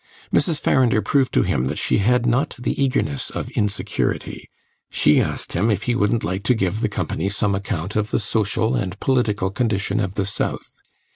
Mrs. Farrinder proved to him that she had not the eagerness of insecurity; she asked him if he wouldn't like to give the company some account of the social and political condition of the South.